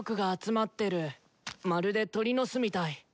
まるで鳥の巣みたい。